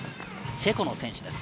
チェコの選手です。